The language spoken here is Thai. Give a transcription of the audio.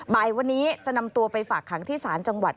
บ่ายวันนี้จะนำตัวไปฝากขังที่ศาลจังหวัด